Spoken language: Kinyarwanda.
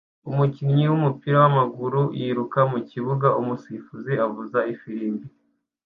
Umukinnyi wumupira wamaguru yiruka mu kibuga umusifuzi avuza ifirimbi